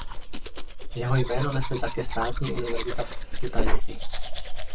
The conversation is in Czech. Jeho jméno nese také státní univerzita v Kutaisi.